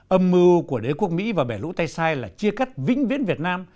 âm mưu của đế quốc mỹ và bể lũ tay sai là chia cắt vĩnh viễn việt nam